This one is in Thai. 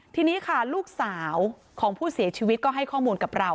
ทีนี้ค่ะลูกสาวของผู้เสียชีวิตก็ให้ข้อมูลกับเรา